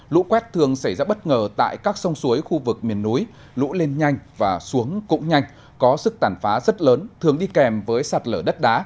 lũ quét thường xảy ra bất ngờ tại các sông suối khu vực miền núi lũ lên nhanh và xuống cũng nhanh có sức tàn phá rất lớn thường đi kèm với sạt lở đất đá